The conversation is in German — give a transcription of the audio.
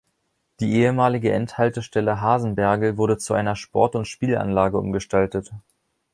Die ehemalige Endhaltestelle Hasenbergl wurde zu einer Sport- und Spielanlage umgestaltet.